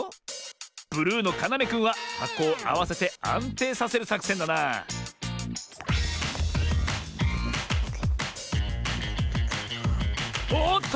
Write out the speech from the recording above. ブルーのかなめくんははこをあわせてあんていさせるさくせんだなおおっと！